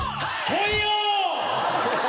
来いよ！